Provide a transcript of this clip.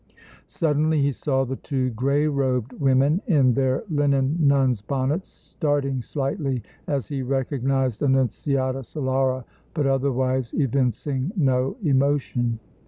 Suddenly he saw the two gray robed women in their linen nuns' bonnets, starting slightly as he recognized Annunziata Solara, but otherwise evincing no emotion.